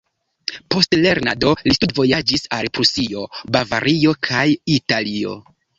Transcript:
Post lernado li studvojaĝis al Prusio, Bavario kaj Italio.